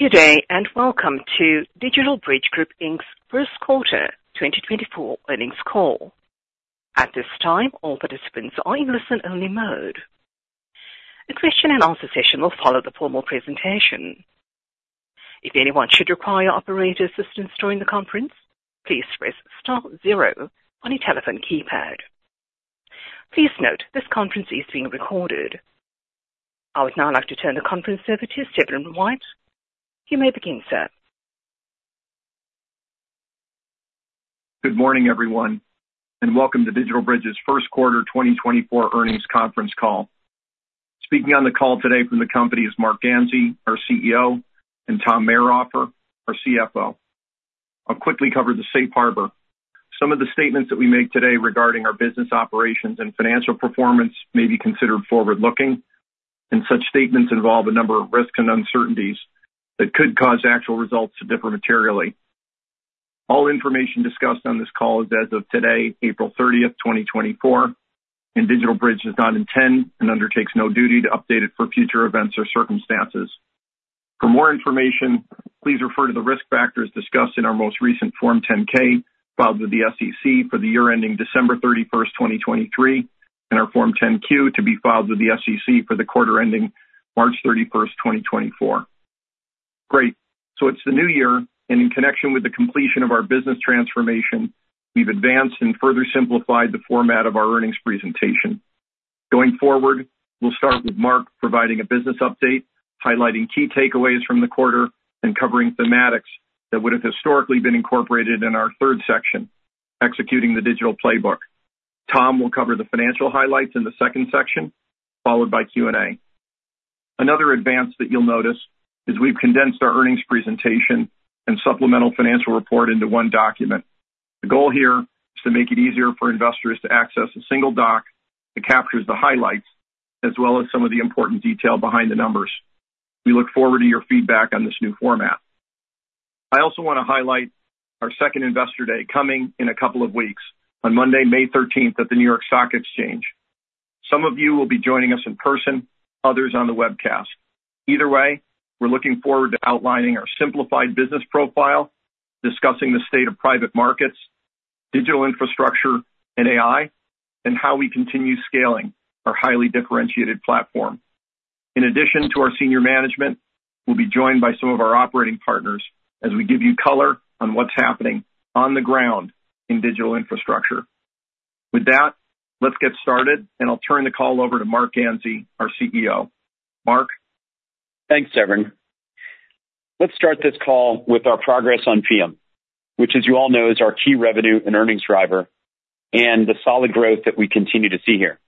Good day, and welcome to DigitalBridge Group Inc's First Quarter 2024 Earnings Call. At this time, all participants are in listen-only mode. A question and answer session will follow the formal presentation. If anyone should require operator assistance during the conference, please press star zero on your telephone keypad. Please note, this conference is being recorded. I would now like to turn the conference over to Severin White. You may begin, sir. Good morning, everyone, and welcome to DigitalBridge's first quarter 2024 earnings conference call. Speaking on the call today from the company is Marc Ganzi, our CEO, and Tom Mayrhofer, our CFO. I'll quickly cover the Safe Harbor. Some of the statements that we make today regarding our business operations and financial performance may be considered forward-looking, and such statements involve a number of risks and uncertainties that could cause actual results to differ materially. All information discussed on this call is as of today, April 30th, 2024, and DigitalBridge does not intend and undertakes no duty to update it for future events or circumstances. For more information, please refer to the risk factors discussed in our most recent Form 10-K, filed with the SEC for the year ending December 31st, 2023, and our Form 10-Q to be filed with the SEC for the quarter ending March 31st, 2024. Great. So it's the new year, and in connection with the completion of our business transformation, we've advanced and further simplified the format of our earnings presentation. Going forward, we'll start with Marc providing a business update, highlighting key takeaways from the quarter and covering thematics that would have historically been incorporated in our third section, Executing the Digital Playbook. Tom will cover the financial highlights in the second section, followed by Q&A. Another advance that you'll notice is we've condensed our earnings presentation and supplemental financial report into one document. The goal here is to make it easier for investors to access a single doc that captures the highlights, as well as some of the important detail behind the numbers. We look forward to your feedback on this new format. I also wanna highlight our second Investor Day, coming in a couple of weeks, on Monday, May 13th, at the New York Stock Exchange. Some of you will be joining us in person, others on the webcast. Either way, we're looking forward to outlining our simplified business profile, discussing the state of private markets, digital infrastructure and AI, and how we continue scaling our highly differentiated platform. In addition to our senior management, we'll be joined by some of our operating partners as we give you color on what's happening on the ground in digital infrastructure. With that, let's get started, and I'll turn the call over to Marc Ganzi, our CEO. Marc? Thanks, Severin. Let's start this call with our progress on FEEUM, which, as you all know, is our key revenue and earnings driver, and the solid growth that we continue to see here.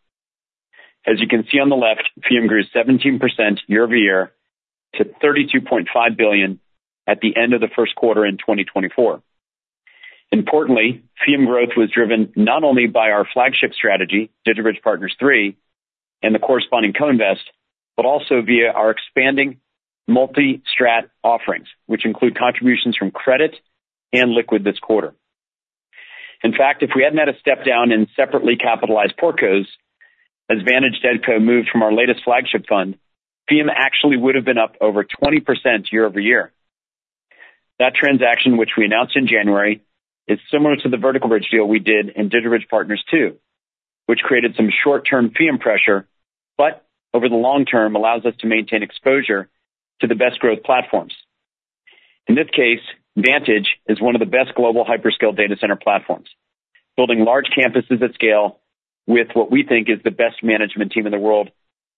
As you can see on the left, FEEUM grew 17% year-over-year to $32.5 billion at the end of the first quarter in 2024. Importantly, FEEUM growth was driven not only by our flagship strategy, DigitalBridge Partners III, and the corresponding co-invest, but also via our expanding multi-strat offerings, which include contributions from credit and liquid this quarter. In fact, if we hadn't had a step down in separately capitalized portcos, as Vantage Data Co moved from our latest flagship fund, FEEUM actually would have been up over 20% year-over-year. That transaction, which we announced in January, is similar to the Vertical Bridge deal we did in DigitalBridge Partners II, which created some short-term FEEUM pressure, but over the long term allows us to maintain exposure to the best growth platforms. In this case, Vantage is one of the best global hyperscale data center platforms, building large campuses at scale with what we think is the best management team in the world,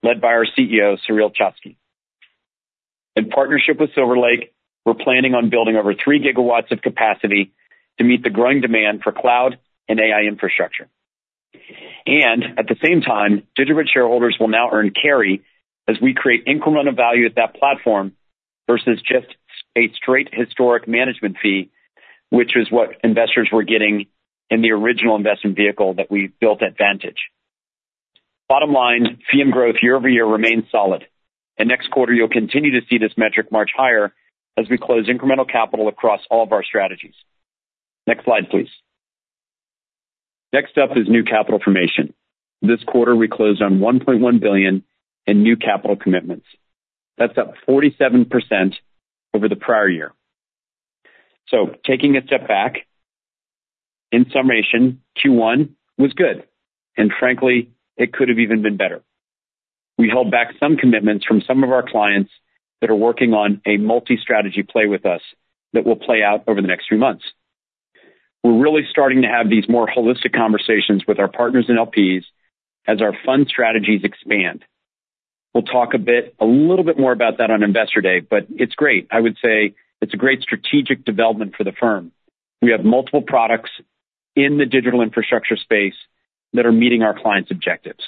led by our CEO, Sureel Choksi. In partnership with Silver Lake, we're planning on building over 3 GW of capacity to meet the growing demand for cloud and AI infrastructure. And at the same time, DigitalBridge shareholders will now earn carry as we create incremental value at that platform versus just a straight historic management fee, which is what investors were getting in the original investment vehicle that we built at Vantage. Bottom line, FEEUM growth year-over-year remains solid, and next quarter, you'll continue to see this metric march higher as we close incremental capital across all of our strategies. Next slide, please. Next up is new capital formation. This quarter, we closed on $1.1 billion in new capital commitments. That's up 47% over the prior year. So taking a step back, in summation, Q1 was good, and frankly, it could have even been better. We held back some commitments from some of our clients that are working on a multi-strategy play with us that will play out over the next few months. We're really starting to have these more holistic conversations with our partners and LPs as our fund strategies expand. We'll talk a bit, a little bit more about that on Investor Day, but it's great. I would say it's a great strategic development for the firm. We have multiple products in the digital infrastructure space that are meeting our clients' objectives,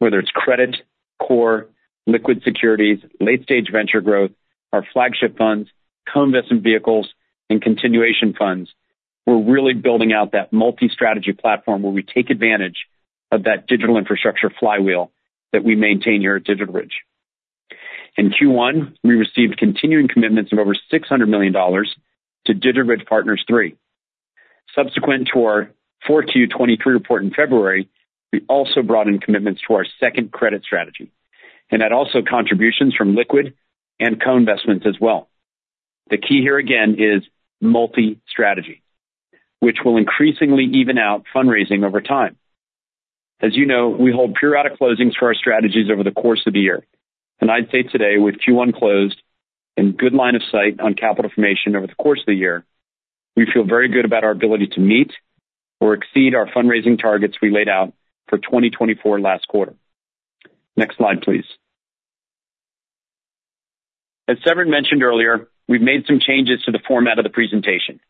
whether it's credit, core, liquid securities, late-stage venture growth, our flagship funds, co-investment vehicles, and continuation funds. We're really building out that multi-strategy platform where we take advantage of that digital infrastructure flywheel that we maintain here at DigitalBridge. In Q1, we received continuing commitments of over $600 million to DigitalBridge Partners III.... Subsequent to our 4Q 2023 report in February, we also brought in commitments to our second credit strategy, and that also contributions from liquid and co-investments as well. The key here again is multi-strategy, which will increasingly even out fundraising over time. As you know, we hold periodic closings for our strategies over the course of the year, and I'd say today, with Q1 closed and good line of sight on capital formation over the course of the year, we feel very good about our ability to meet or exceed our fundraising targets we laid out for 2024 last quarter. Next slide, please. As Severin mentioned earlier, we've made some changes to the format of the presentation,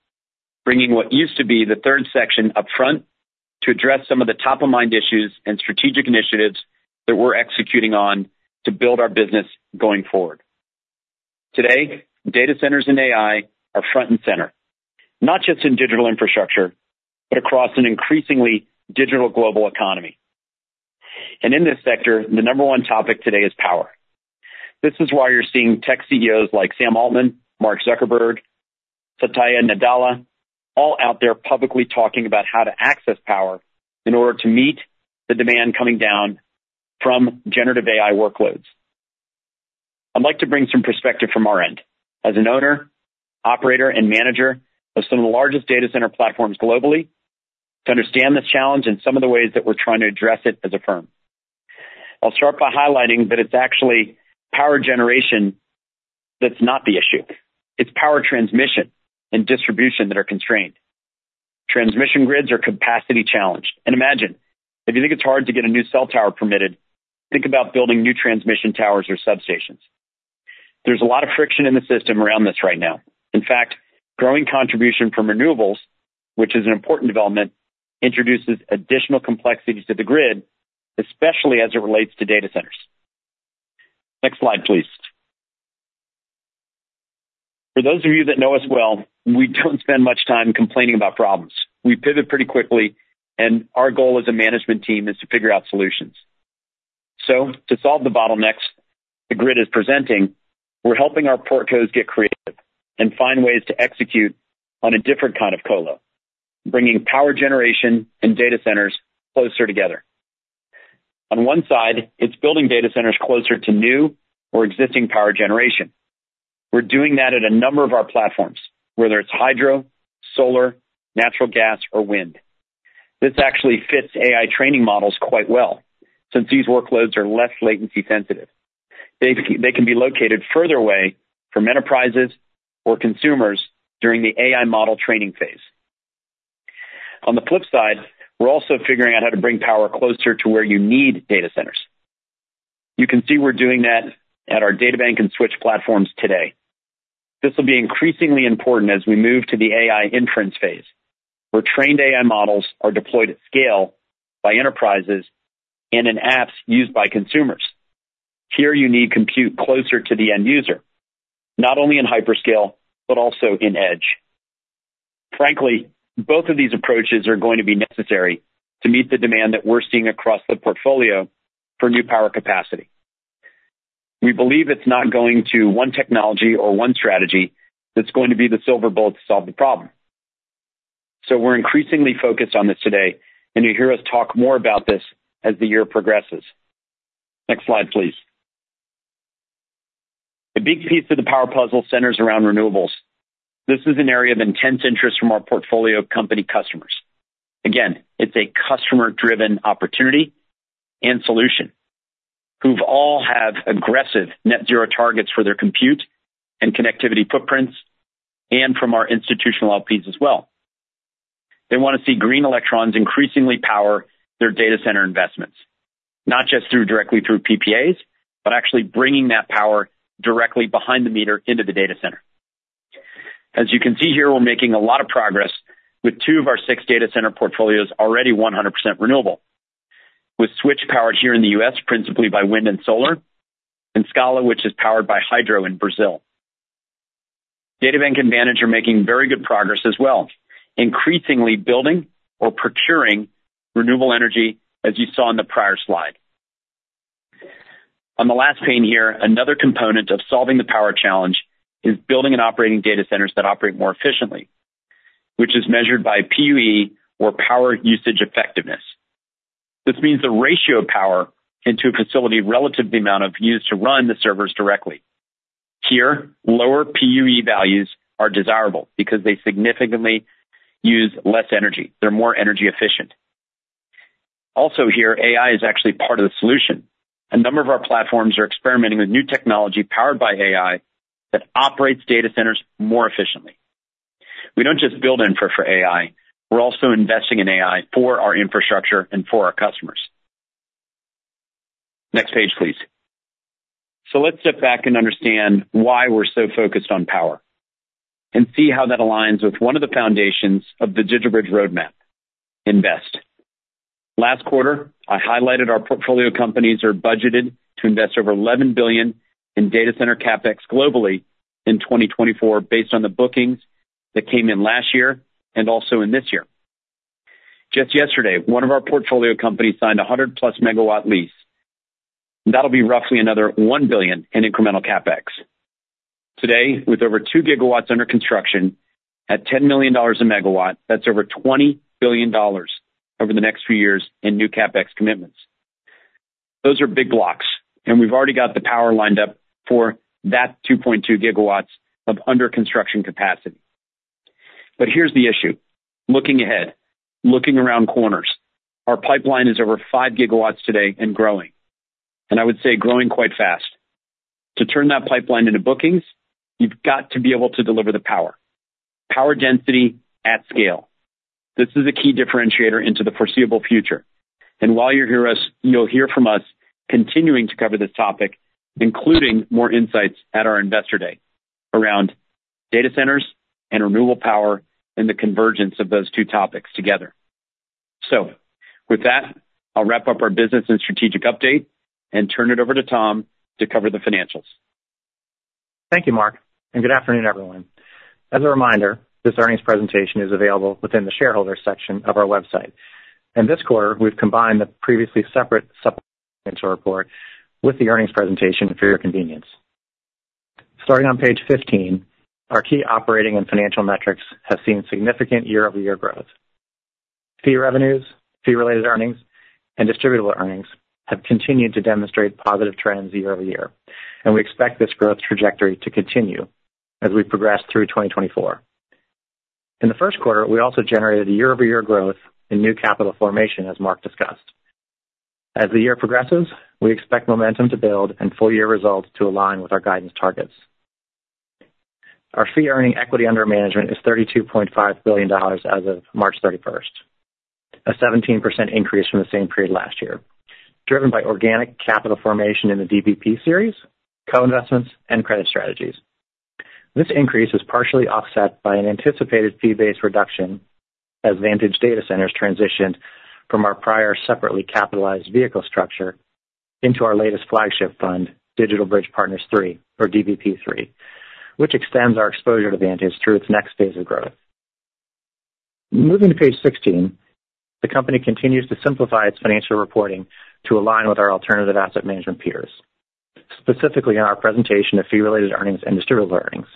bringing what used to be the third section up front to address some of the top-of-mind issues and strategic initiatives that we're executing on to build our business going forward. Today, data centers and AI are front and center, not just in digital infrastructure, but across an increasingly digital global economy. And in this sector, the number one topic today is power. This is why you're seeing tech CEOs like Sam Altman, Mark Zuckerberg, Satya Nadella, all out there publicly talking about how to access power in order to meet the demand coming down from generative AI workloads. I'd like to bring some perspective from our end. As an owner, operator, and manager of some of the largest data center platforms globally, to understand this challenge and some of the ways that we're trying to address it as a firm. I'll start by highlighting that it's actually power generation that's not the issue. It's power transmission and distribution that are constrained. Transmission grids are capacity challenged. And imagine, if you think it's hard to get a new cell tower permitted, think about building new transmission towers or substations. There's a lot of friction in the system around this right now. In fact, growing contribution from renewables, which is an important development, introduces additional complexities to the grid, especially as it relates to data centers. Next slide, please. For those of you that know us well, we don't spend much time complaining about problems. We pivot pretty quickly, and our goal as a management team is to figure out solutions. So to solve the bottlenecks the grid is presenting, we're helping our portcos get creative and find ways to execute on a different kind of color, bringing power generation and data centers closer together. On one side, it's building data centers closer to new or existing power generation. We're doing that at a number of our platforms, whether it's hydro, solar, natural gas, or wind. This actually fits AI training models quite well, since these workloads are less latency sensitive. They, they can be located further away from enterprises or consumers during the AI model training phase. On the flip side, we're also figuring out how to bring power closer to where you need data centers. You can see we're doing that at our DataBank and Switch platforms today. This will be increasingly important as we move to the AI inference phase, where trained AI models are deployed at scale by enterprises and in apps used by consumers. Here, you need compute closer to the end user, not only in hyperscale, but also in edge. Frankly, both of these approaches are going to be necessary to meet the demand that we're seeing across the portfolio for new power capacity. We believe it's not going to one technology or one strategy that's going to be the silver bullet to solve the problem. So we're increasingly focused on this today, and you'll hear us talk more about this as the year progresses. Next slide, please. A big piece of the power puzzle centers around renewables. This is an area of intense interest from our portfolio company customers. Again, it's a customer-driven opportunity and solution, who all have aggressive net zero targets for their compute and connectivity footprints, and from our institutional LPs as well. They want to see green electrons increasingly power their data center investments, not just through direct PPAs, but actually bringing that power directly behind the meter into the data center. As you can see here, we're making a lot of progress with two of our six data center portfolios already 100% renewable, with Switch powered here in the U.S., principally by wind and solar, and Scala, which is powered by hydro in Brazil. DataBank and management making very good progress as well, increasingly building or procuring renewable energy, as you saw in the prior slide. On the last pane here, another component of solving the power challenge is building and operating data centers that operate more efficiently, which is measured by PUE or power usage effectiveness. This means the ratio of power into a facility relative to the amount of use to run the servers directly. Here, lower PUE values are desirable because they significantly use less energy. They're more energy efficient. Also here, AI is actually part of the solution. A number of our platforms are experimenting with new technology powered by AI that operates data centers more efficiently. We don't just build infra for AI, we're also investing in AI for our infrastructure and for our customers. Next page, please. So let's step back and understand why we're so focused on power, and see how that aligns with one of the foundations of the DigitalBridge roadmap: invest. Last quarter, I highlighted our portfolio companies are budgeted to invest over $11 billion in data center CapEx globally in 2024, based on the bookings that came in last year and also in this year. Just yesterday, one of our portfolio companies signed a 100+ MW lease. That'll be roughly another $1 billion in incremental CapEx. Today, with over 2 GW under construction at $10 million a MW, that's over $20 billion over the next few years in new CapEx commitments. Those are big blocks, and we've already got the power lined up for that 2.2 GW of under construction capacity. But here's the issue: looking ahead, looking around corners, our pipeline is over 5 GW today and growing, and I would say growing quite fast. To turn that pipeline into bookings, you've got to be able to deliver the power, power density at scale. This is a key differentiator into the foreseeable future. And while you hear us—you'll hear from us continuing to cover this topic, including more insights at our Investor Day around data centers and renewable power, and the convergence of those two topics together. So with that, I'll wrap up our business and strategic update and turn it over to Tom to cover the financials. Thank you, Marc, and good afternoon, everyone. As a reminder, this earnings presentation is available within the shareholder section of our website. In this quarter, we've combined the previously separate supplement to report with the earnings presentation for your convenience. Starting on page 15, our key operating and financial metrics have seen significant year-over-year growth. Fee revenues, fee-related earnings, and distributable earnings have continued to demonstrate positive trends year-over-year, and we expect this growth trajectory to continue as we progress through 2024. In the first quarter, we also generated a year-over-year growth in new capital formation, as Marc discussed. As the year progresses, we expect momentum to build and full year results to align with our guidance targets. Our Fee-Earning Equity Under Management is $32.5 billion as of March 31st, a 17% increase from the same period last year, driven by organic capital formation in the DBP series, co-investments, and credit strategies. This increase is partially offset by an anticipated fee-based reduction as Vantage Data Centers transitioned from our prior separately capitalized vehicle structure into our latest flagship fund, DigitalBridge Partners III, or DBP III, which extends our exposure to Vantage through its next phase of growth. Moving to page 16, the company continues to simplify its financial reporting to align with our alternative asset management peers, specifically in our presentation of Fee-Related Earnings and Distributable Earnings.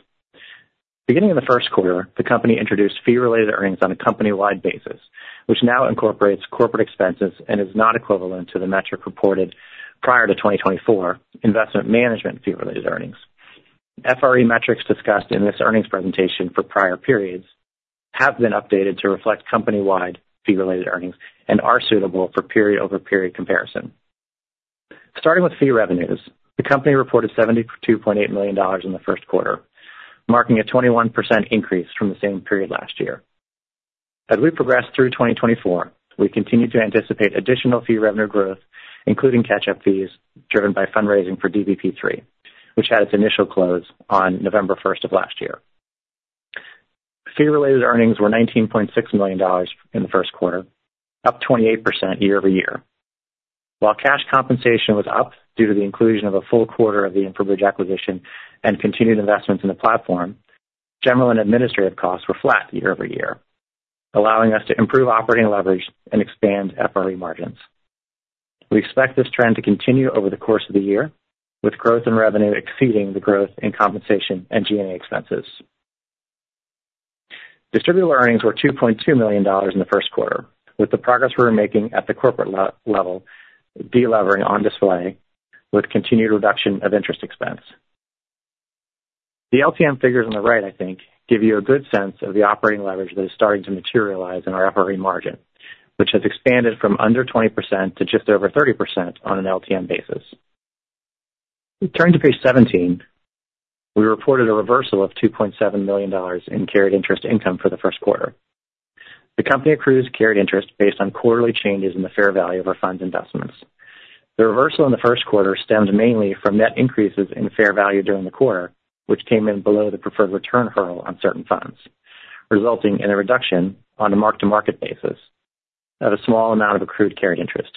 Beginning in the first quarter, the company introduced Fee-Related Earnings on a company-wide basis, which now incorporates corporate expenses and is not equivalent to the metric reported prior to 2024, investment management Fee-Related Earnings. FRE metrics discussed in this earnings presentation for prior periods have been updated to reflect company-wide fee-related earnings and are suitable for period-over-period comparison. Starting with fee revenues, the company reported $72.8 million in the first quarter, marking a 21% increase from the same period last year. As we progress through 2024, we continue to anticipate additional fee revenue growth, including catch-up fees driven by fundraising for DBP III, which had its initial close on November 1st of last year. Fee-related earnings were $19.6 million in the first quarter, up 28% year-over-year. While cash compensation was up due to the inclusion of a full quarter of the InfraBridge acquisition and continued investments in the platform, general and administrative costs were flat year-over-year, allowing us to improve operating leverage and expand FRE margins. We expect this trend to continue over the course of the year, with growth in revenue exceeding the growth in compensation and G&A expenses. Distributable earnings were $2.2 million in the first quarter, with the progress we're making at the corporate level, delevering on display with continued reduction of interest expense. The LTM figures on the right, I think, give you a good sense of the operating leverage that is starting to materialize in our operating margin, which has expanded from under 20% to just over 30% on an LTM basis. Turning to page 17, we reported a reversal of $2.7 million in carried interest income for the first quarter. The company accrues carried interest based on quarterly changes in the fair value of our funds investments. The reversal in the first quarter stemmed mainly from net increases in fair value during the quarter, which came in below the preferred return hurdle on certain funds, resulting in a reduction on a mark-to-market basis of a small amount of accrued Carried Interest.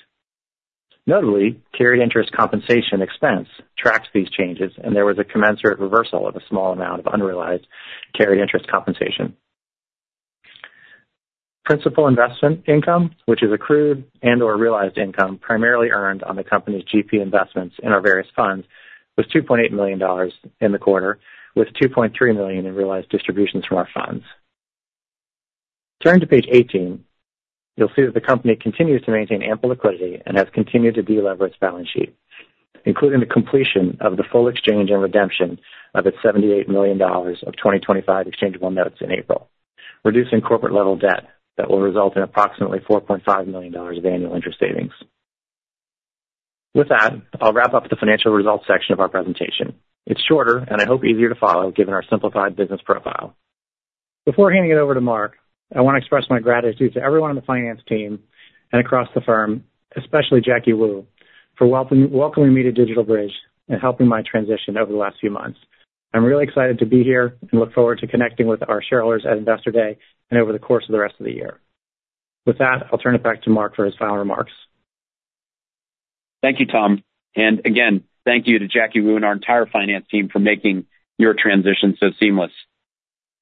Notably, Carried Interest compensation expense tracks these changes, and there was a commensurate reversal of a small amount of unrealized Carried Interest compensation. Principal investment income, which is accrued and/or realized income primarily earned on the company's GP investments in our various funds, was $2.8 million in the quarter, with $2.3 million in realized distributions from our funds. Turning to page 18, you'll see that the company continues to maintain ample liquidity and has continued to deleverage its balance sheet, including the completion of the full exchange and redemption of its $78 million of 2025 exchangeable notes in April, reducing corporate-level debt that will result in approximately $4.5 million of annual interest savings. With that, I'll wrap up the financial results section of our presentation. It's shorter, and I hope easier to follow, given our simplified business profile. Before handing it over to Marc, I want to express my gratitude to everyone on the finance team and across the firm, especially Jacky Wu, for welcoming me to DigitalBridge and helping my transition over the last few months. I'm really excited to be here and look forward to connecting with our shareholders at Investor Day and over the course of the rest of the year. With that, I'll turn it back to Marc for his final remarks.... Thank you, Tom. And again, thank you to Jacky Wu and our entire finance team for making your transition so seamless.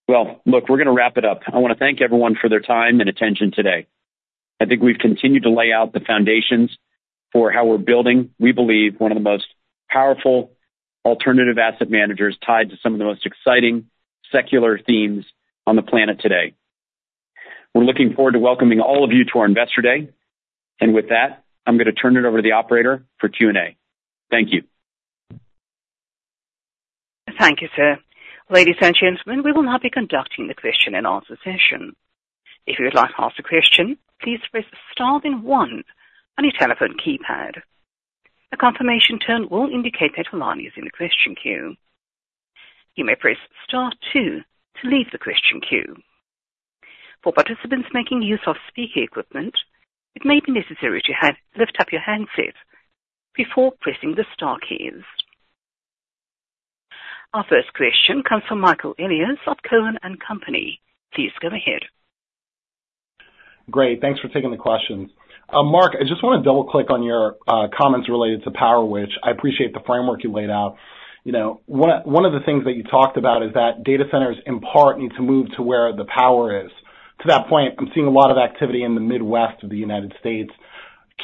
Well, look, we're going to wrap it up. I want to thank everyone for their time and attention today. I think we've continued to lay out the foundations for how we're building, we believe, one of the most powerful alternative asset managers tied to some of the most exciting secular themes on the planet today. We're looking forward to welcoming all of you to our investor day. And with that, I'm going to turn it over to the operator for Q&A. Thank you. Thank you, sir. Ladies and gentlemen, we will now be conducting the question and answer session. If you would like to ask a question, please press star then one on your telephone keypad. A confirmation tone will indicate that your line is in the question queue. You may press star two to leave the question queue. For participants making use of speaker equipment, it may be necessary to lift up your handset before pressing the star keys. Our first question comes from Michael Elias of Cowen and Company. Please go ahead. Great, thanks for taking the questions. Marc, I just want to double-click on your comments related to power, which. I appreciate the framework you laid out. You know, one of the things that you talked about is that data centers, in part, need to move to where the power is. To that point, I'm seeing a lot of activity in the Midwest of the United States.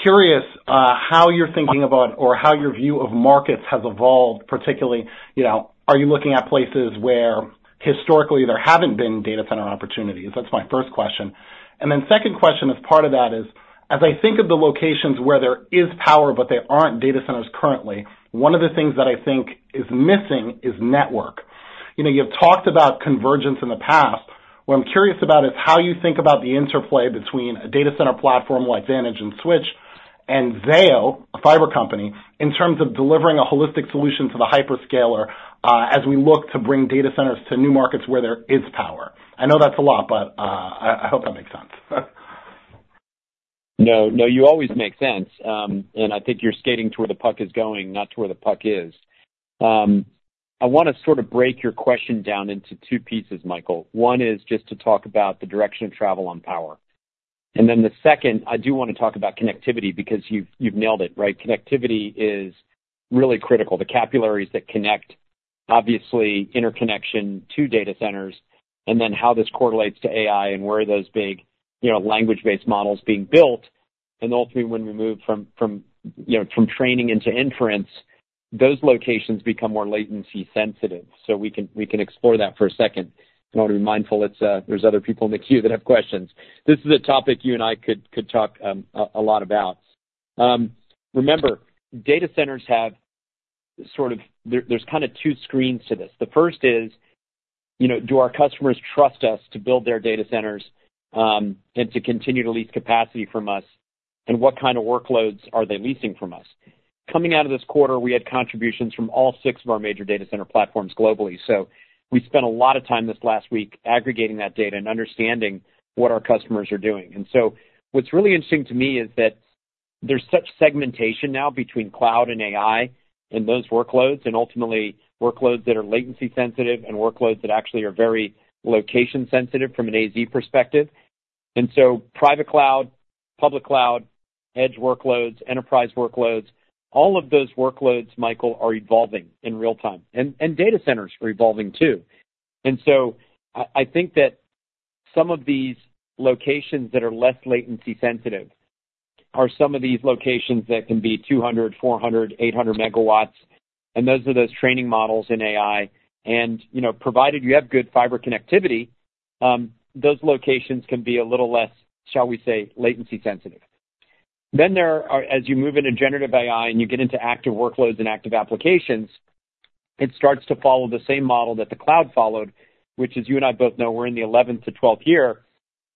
Curious how you're thinking about or how your view of markets has evolved, particularly, you know, are you looking at places where historically there haven't been data center opportunities? That's my first question. And then second question, as part of that, is, as I think of the locations where there is power, but there aren't data centers currently, one of the things that I think is missing is network. You know, you've talked about convergence in the past. What I'm curious about is how you think about the interplay between a data center platform like Vantage and Switch and Zayo, a fiber company, in terms of delivering a holistic solution to the hyperscaler, as we look to bring data centers to new markets where there is power. I know that's a lot, but I hope that makes sense. No, no, you always make sense. And I think you're skating to where the puck is going, not to where the puck is. I want to sort of break your question down into two pieces, Michael. One is just to talk about the direction of travel on power, and then the second, I do want to talk about connectivity, because you've, you've nailed it, right? Connectivity is really critical. The capillaries that connect, obviously interconnection to data centers, and then how this correlates to AI and where are those big, you know, language-based models being built. And ultimately, when we move from, from, you know, from training into inference, those locations become more latency sensitive. So we can, we can explore that for a second. I want to be mindful that, there's other people in the queue that have questions. This is a topic you and I could talk a lot about. Remember, data centers have sort of... There's kind of two screens to this. The first is, you know, do our customers trust us to build their data centers, and to continue to lease capacity from us, and what kind of workloads are they leasing from us? Coming out of this quarter, we had contributions from all six of our major data center platforms globally. So we spent a lot of time this last week aggregating that data and understanding what our customers are doing. And so what's really interesting to me is that there's such segmentation now between cloud and AI and those workloads, and ultimately workloads that are latency sensitive and workloads that actually are very location sensitive from an AZ perspective. And so private cloud, public cloud, edge workloads, enterprise workloads, all of those workloads, Michael, are evolving in real time, and, and data centers are evolving too. And so I, I think that some of these locations that are less latency sensitive are some of these locations that can be 200, 400, 800 MW, and those are those training models in AI. And, you know, provided you have good fiber connectivity, those locations can be a little less, shall we say, latency sensitive. Then there are, as you move into generative AI and you get into active workloads and active applications, it starts to follow the same model that the cloud followed, which as you and I both know, we're in the 11th to 12th year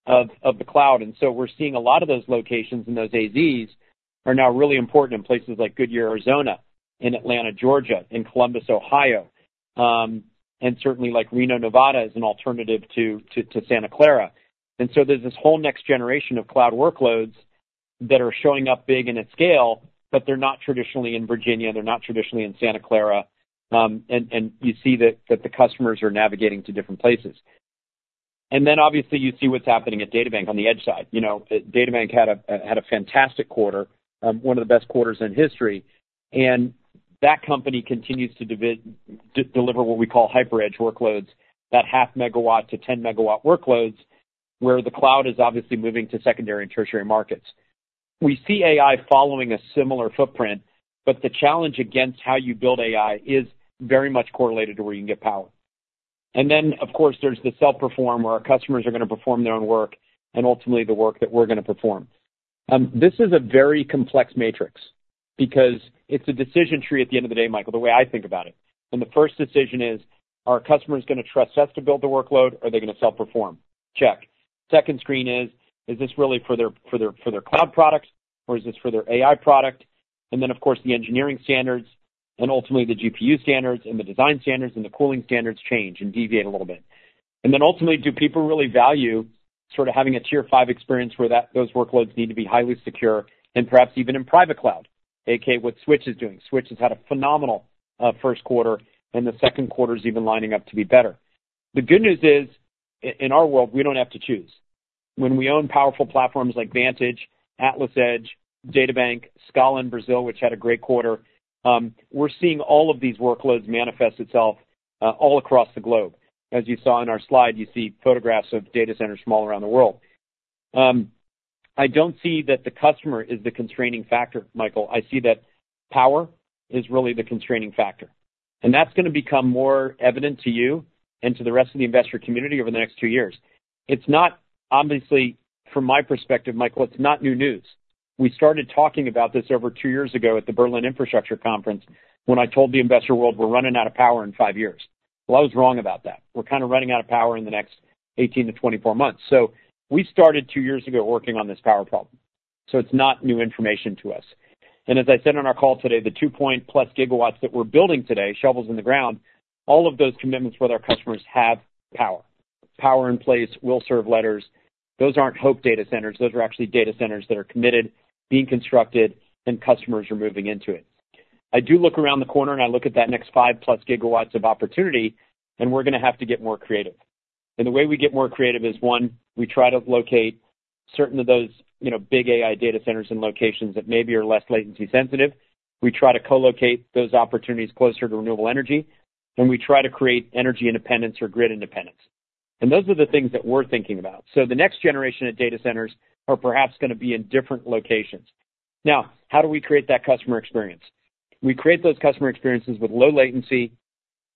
of, of the cloud. We're seeing a lot of those locations and those AZs are now really important in places like Goodyear, Arizona, in Atlanta, Georgia, in Columbus, Ohio, and certainly like Reno, Nevada, as an alternative to Santa Clara. So there's this whole next generation of cloud workloads that are showing up big in its scale, but they're not traditionally in Virginia, they're not traditionally in Santa Clara. And you see that the customers are navigating to different places. And then obviously, you see what's happening at DataBank on the edge side. You know, DataBank had a fantastic quarter, one of the best quarters in history. And that company continues to deliver what we call hyper edge workloads, that 0.5 MW-10 MW workloads, where the cloud is obviously moving to secondary and tertiary markets. We see AI following a similar footprint, but the challenge against how you build AI is very much correlated to where you can get power. And then, of course, there's the self-perform, where our customers are going to perform their own work and ultimately the work that we're going to perform. This is a very complex matrix because it's a decision tree at the end of the day, Michael, the way I think about it. And the first decision is: Are customers going to trust us to build the workload or are they going to self-perform? Check. Second screen is: Is this really for their, for their, for their cloud products or is this for their AI product? And then, of course, the engineering standards and ultimately the GPU standards and the design standards and the cooling standards change and deviate a little bit. And then ultimately, do people really value sort of having a tier five experience where those workloads need to be highly secure and perhaps even in private cloud, aka what Switch is doing? Switch has had a phenomenal first quarter, and the second quarter is even lining up to be better. The good news is, in our world, we don't have to choose.... when we own powerful platforms like Vantage, AtlasEdge, DataBank, Scala in Brazil, which had a great quarter, we're seeing all of these workloads manifest itself all across the globe. As you saw in our slide, you see photographs of data centers from all around the world. I don't see that the customer is the constraining factor, Michael. I see that power is really the constraining factor, and that's gonna become more evident to you and to the rest of the investor community over the next two years. It's not, obviously, from my perspective, Michael, it's not new news. We started talking about this over two years ago at the Berlin Infrastructure Conference, when I told the investor world we're running out of power in five years. Well, I was wrong about that. We're kind of running out of power in the next 18-24 months. So we started two years ago working on this power problem, so it's not new information to us. And as I said on our call today, the 2+ GW that we're building today, shovels in the ground, all of those commitments with our customers have power. Power in place, will serve letters. Those aren't hope data centers. Those are actually data centers that are committed, being constructed, and customers are moving into it. I do look around the corner, and I look at that next 5+ GW of opportunity, and we're gonna have to get more creative. And the way we get more creative is, one, we try to locate certain of those, you know, big AI data centers in locations that maybe are less latency sensitive. We try to co-locate those opportunities closer to renewable energy, and we try to create energy independence or grid independence. And those are the things that we're thinking about. So the next generation of data centers are perhaps gonna be in different locations. Now, how do we create that customer experience? We create those customer experiences with low latency,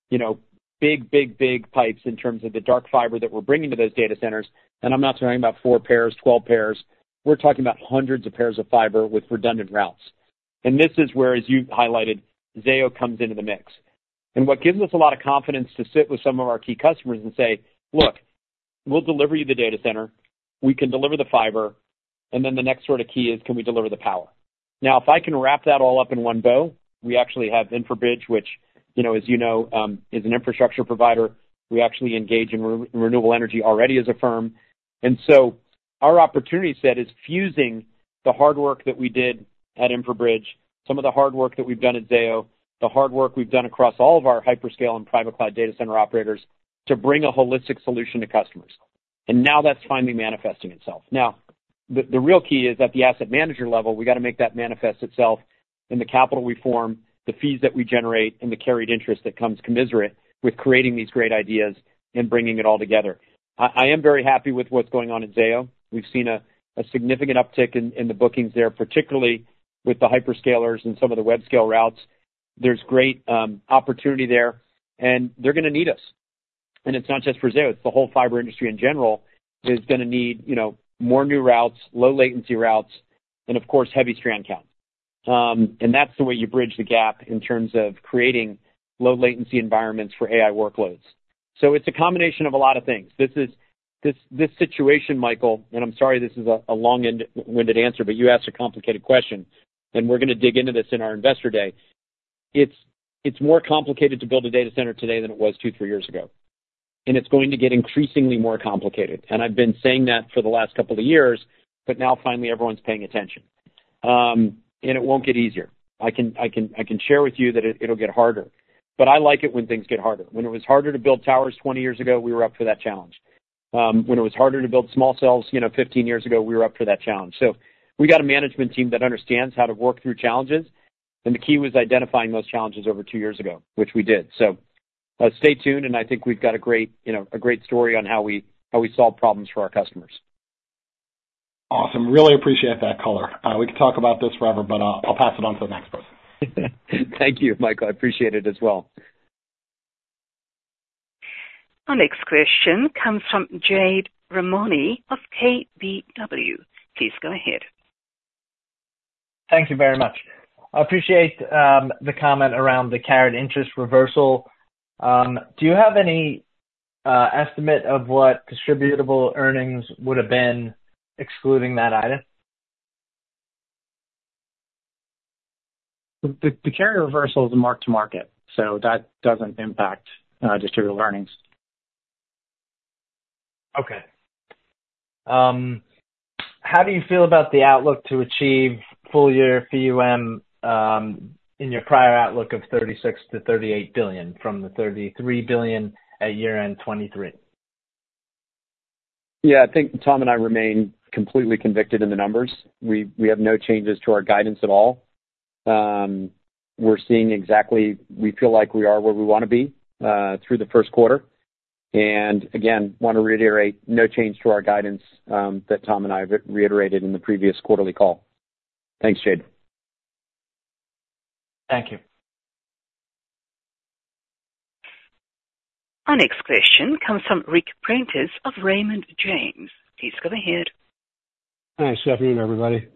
you know, big, big, big pipes in terms of the dark fiber that we're bringing to those data centers, and I'm not talking about 4 pairs, 12 pairs. We're talking about hundreds of pairs of fiber with redundant routes. And this is where, as you highlighted, Zayo comes into the mix. And what gives us a lot of confidence to sit with some of our key customers and say, "Look, we'll deliver you the data center, we can deliver the fiber," and then the next sort of key is can we deliver the power? Now, if I can wrap that all up in one bow, we actually have InfraBridge, which, you know, as you know, is an infrastructure provider. We actually engage in renewable energy already as a firm. And so our opportunity set is fusing the hard work that we did at InfraBridge, some of the hard work that we've done at Zayo, the hard work we've done across all of our hyperscale and private cloud data center operators to bring a holistic solution to customers. And now that's finally manifesting itself. Now, the real key is, at the asset manager level, we got to make that manifest itself in the capital we form, the fees that we generate, and the carried interest that comes commensurate with creating these great ideas and bringing it all together. I am very happy with what's going on in Zayo. We've seen a significant uptick in the bookings there, particularly with the hyperscalers and some of the web scale routes. There's great opportunity there, and they're gonna need us. And it's not just for Zayo, it's the whole fiber industry in general, is gonna need, you know, more new routes, low latency routes, and of course, heavy strand count. And that's the way you bridge the gap in terms of creating low latency environments for AI workloads. So it's a combination of a lot of things. This situation, Michael, and I'm sorry, this is a long-winded answer, but you asked a complicated question, and we're gonna dig into this in our investor day. It's more complicated to build a data center today than it was two, three years ago, and it's going to get increasingly more complicated. And I've been saying that for the last couple of years, but now finally, everyone's paying attention. And it won't get easier. I can share with you that it'll get harder, but I like it when things get harder. When it was harder to build towers 20 years ago, we were up for that challenge. When it was harder to build small cells, you know, 15 years ago, we were up for that challenge. So we got a management team that understands how to work through challenges, and the key was identifying those challenges over two years ago, which we did. So, stay tuned, and I think we've got a great, you know, a great story on how we, how we solve problems for our customers. Awesome. Really appreciate that color. We could talk about this forever, but, I'll pass it on to the next person. Thank you, Michael. I appreciate it as well. Our next question comes from Jade Rahmani of KBW. Please go ahead. Thank you very much. I appreciate the comment around the carried interest reversal. Do you have any estimate of what Distributable Earnings would have been excluding that item? The carry reversal is a mark to market, so that doesn't impact distributable earnings. Okay. How do you feel about the outlook to achieve full year FEEUM in your prior outlook of $36 billion-$38 billion from the $33 billion at year-end 2023? Yeah, I think Tom and I remain completely convicted in the numbers. We have no changes to our guidance at all. We're seeing exactly... We feel like we are where we want to be through the first quarter. Again, want to reiterate, no change to our guidance that Tom and I have reiterated in the previous quarterly call. Thanks, Jade. Thank you. Our next question comes from Ric Prentiss of Raymond James. Please go ahead. Hi, good afternoon, everybody.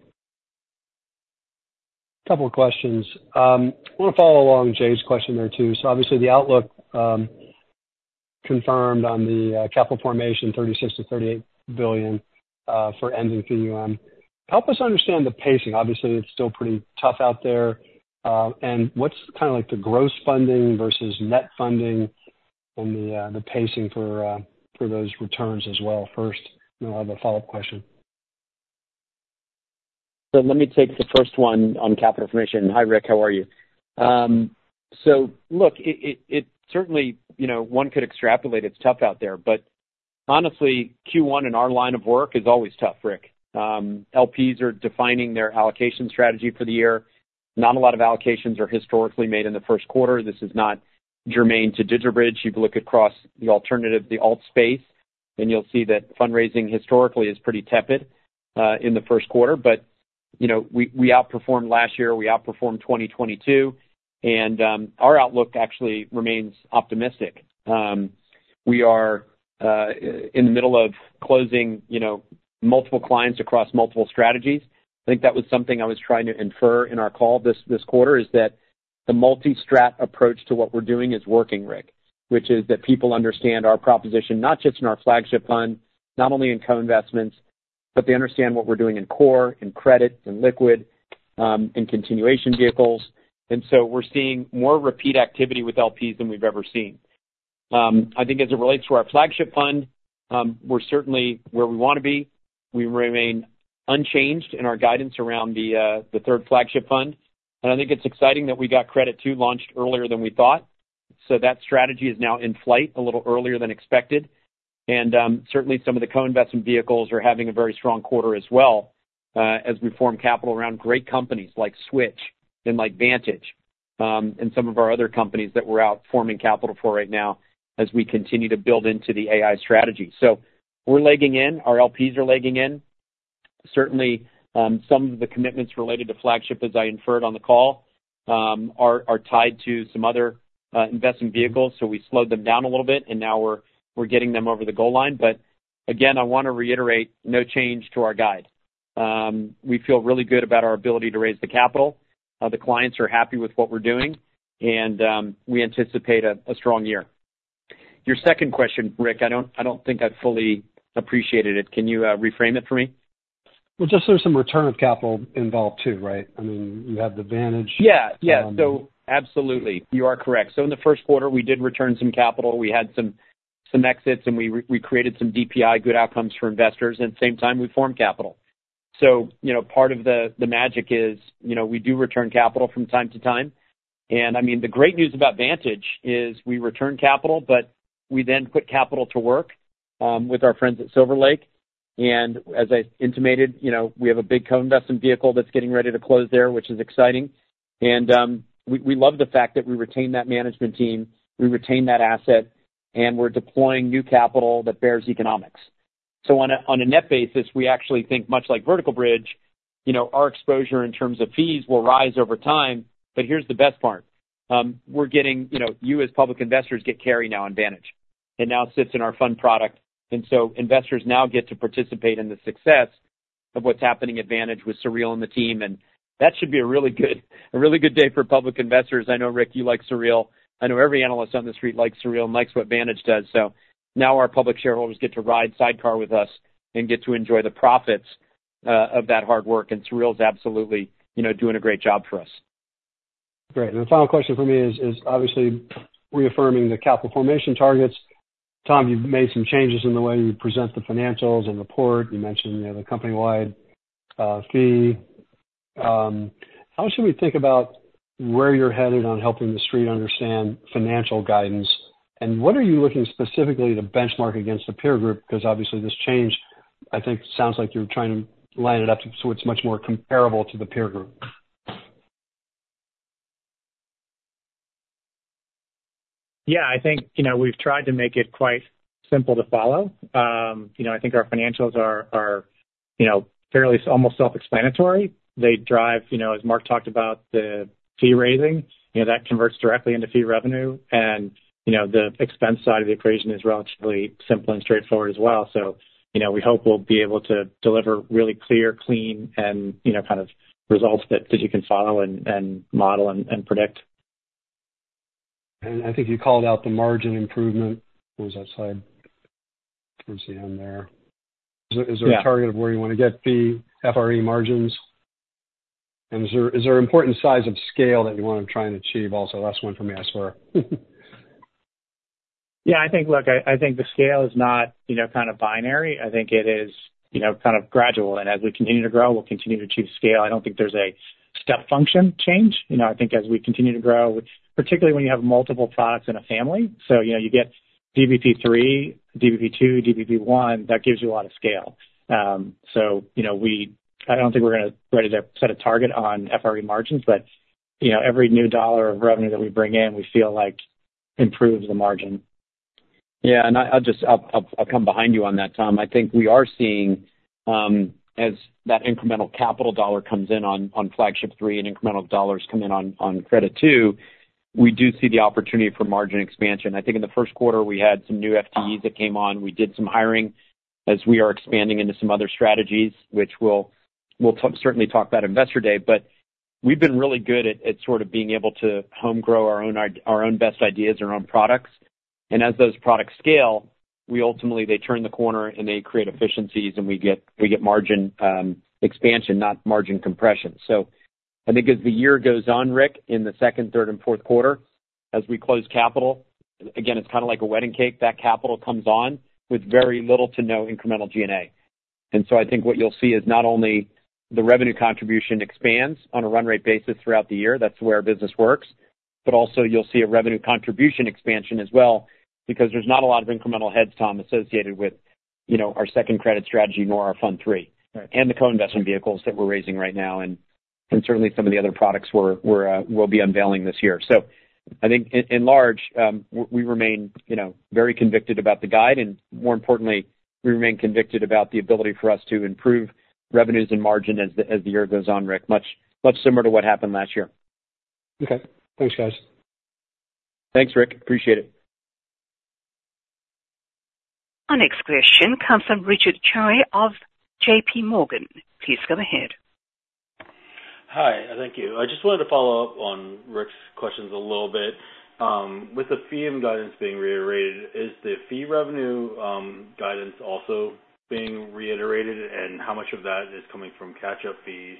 Couple of questions. I want to follow along Jade's question there, too. So obviously, the outlook, confirmed on the, capital formation, $36 billion-$38 billion, for ending FUM. Help us understand the pacing. Obviously, it's still pretty tough out there. And what's kind of like the gross funding versus net funding and the pacing for those returns as well, first? And I'll have a follow-up question.... So let me take the first one on capital formation. Hi, Rick, how are you? So look, it certainly, you know, one could extrapolate it's tough out there, but honestly, Q1 in our line of work is always tough, Rick. LPs are defining their allocation strategy for the year. Not a lot of allocations are historically made in the first quarter. This is not germane to DigitalBridge. You look across the alternative, the alt space, and you'll see that fundraising historically is pretty tepid in the first quarter. But, you know, we outperformed last year, we outperformed 2022, and our outlook actually remains optimistic. We are in the middle of closing, you know, multiple clients across multiple strategies. I think that was something I was trying to infer in our call this quarter, is that the multi-strat approach to what we're doing is working, Rick, which is that people understand our proposition, not just in our flagship fund, not only in co-investments, but they understand what we're doing in core and credit and liquid, and continuation vehicles. And so we're seeing more repeat activity with LPs than we've ever seen. I think as it relates to our flagship fund, we're certainly where we wanna be. We remain unchanged in our guidance around the third flagship fund. And I think it's exciting that we got Credit II launched earlier than we thought. So that strategy is now in flight a little earlier than expected. Certainly, some of the co-investment vehicles are having a very strong quarter as well, as we form capital around great companies like Switch and like Vantage, and some of our other companies that we're out forming capital for right now as we continue to build into the AI strategy. So we're legging in, our LPs are legging in. Certainly, some of the commitments related to Flagship, as I inferred on the call, are tied to some other investment vehicles, so we slowed them down a little bit, and now we're getting them over the goal line. But again, I wanna reiterate, no change to our guide. We feel really good about our ability to raise the capital. The clients are happy with what we're doing, and we anticipate a strong year. Your second question, Ric, I don't, I don't think I fully appreciated it. Can you reframe it for me? Well, just there's some return of capital involved too, right? I mean, you have the Vantage- Yeah, yeah. So absolutely. You are correct. So in the first quarter, we did return some capital. We had some exits, and we created some DPI good outcomes for investors, and at the same time, we formed capital. So, you know, part of the magic is, you know, we do return capital from time to time. And I mean, the great news about Vantage is we return capital, but we then put capital to work with our friends at Silver Lake. And as I intimated, you know, we have a big co-investment vehicle that's getting ready to close there, which is exciting. And we love the fact that we retained that management team, we retained that asset, and we're deploying new capital that bears economics. So on a net basis, we actually think much like Vertical Bridge, you know, our exposure in terms of fees will rise over time. But here's the best part: we're getting you know, you, as public investors, get carry now on Vantage. It now sits in our fund product, and so investors now get to participate in the success of what's happening at Vantage with Sureel and the team, and that should be a really good, a really good day for public investors. I know, Rick, you like Sureel. I know every analyst on the street likes Sureel and likes what Vantage does. So now our public shareholders get to ride sidecar with us and get to enjoy the profits, of that hard work, and Sureel is absolutely, you know, doing a great job for us. Great. And the final question for me is obviously reaffirming the capital formation targets. Tom, you've made some changes in the way you present the financials and report. You mentioned, you know, the company-wide fee. How should we think about where you're headed on helping the street understand financial guidance? And what are you looking specifically to benchmark against the peer group? Because obviously this change, I think, sounds like you're trying to line it up so it's much more comparable to the peer group. Yeah, I think, you know, we've tried to make it quite simple to follow. You know, I think our financials are, you know, fairly almost self-explanatory. They drive... You know, as Marc talked about the fee raising, you know, that converts directly into fee revenue. And, you know, the expense side of the equation is relatively simple and straightforward as well. So, you know, we hope we'll be able to deliver really clear, clean, and, you know, kind of results that you can follow and model and predict. I think you called out the margin improvement. What was that slide? I don't see it on there. Yeah. Is there a target of where you wanna get the FRE margins? And is there important size of scale that you wanna try and achieve also? Last one for me, I swear. Yeah, I think... Look, I, I think the scale is not, you know, kind of binary. I think it is, you know, kind of gradual, and as we continue to grow, we'll continue to achieve scale. I don't think there's a step function change. You know, I think as we continue to grow, which particularly when you have multiple products in a family, so, you know, you get DBP III, DBP II, DBP I, that gives you a lot of scale. You know, we, I don't think we're ready to set a target on FRE margins, but, you know, every new dollar of revenue that we bring in, we feel like improves the margin. Yeah, and I'll just come behind you on that, Tom. I think we are seeing as that incremental capital dollar comes in on Flagship three and incremental dollars come in on Credit II, we do see the opportunity for margin expansion. I think in the first quarter, we had some new FTEs that came on. We did some hiring as we are expanding into some other strategies, which we'll certainly talk about Investor Day. But we've been really good at sort of being able to home grow our own best ideas and our own products. And as those products scale, we ultimately, they turn the corner and they create efficiencies, and we get margin expansion, not margin compression. So I think as the year goes on, Rick, in the second, third, and fourth quarter-... As we close capital, again, it's kind of like a wedding cake. That capital comes on with very little to no incremental G&A. And so I think what you'll see is not only the revenue contribution expands on a run rate basis throughout the year, that's the way our business works, but also you'll see a revenue contribution expansion as well, because there's not a lot of incremental heads, Tom, associated with, you know, our second credit strategy, nor our fund three, and the co-investment vehicles that we're raising right now, and, and certainly some of the other products we're, we're, we'll be unveiling this year. So I think in large, we remain, you know, very convicted about the guide, and more importantly, we remain convicted about the ability for us to improve revenues and margin as the year goes on, Ric, much similar to what happened last year. Okay. Thanks, guys. Thanks, Ric. Appreciate it. Our next question comes from Richard Choe of JPMorgan. Please go ahead. Hi, thank you. I just wanted to follow up on Ric's questions a little bit. With the FEEUM guidance being reiterated, is the fee revenue guidance also being reiterated? And how much of that is coming from catch-up fees?